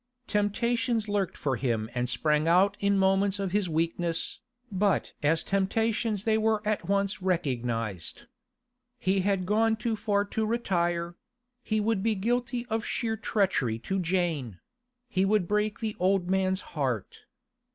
Temptations lurked for him and sprang out in moments of his weakness, but as temptations they were at once recognised. 'He had gone too far to retire; he would be guilty of sheer treachery to Jane; he would break the old man's heart.